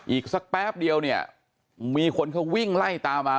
อีกสักแป๊บเดียวเนี่ยมีคนเขาวิ่งไล่ตามมา